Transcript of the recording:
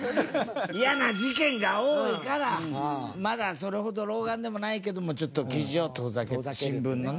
イヤな事件が多いからまだそれほど老眼でもないけどもちょっと記事を遠ざけ新聞のね。